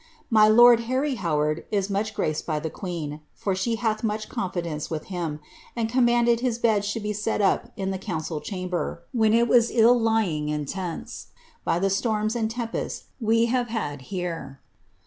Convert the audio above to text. My lord Harry Howard is much graced by ihe quwn. for she hath much conference with him, and commanded his bed should be set up in the council chamber, when it was dl lying in tents, by the storms and tempests we have had here."'